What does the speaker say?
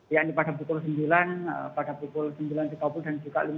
yaitu pada pukul sembilan pada pukul sembilan tiga puluh dan juga lima belas empat puluh lima